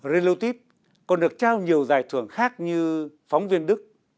relotip còn được trao nhiều giải thưởng khác như phóng viên đức